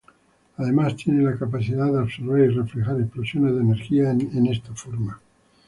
Además, tiene la capacidad de absorber y reflejar explosiones de energía en esta forma.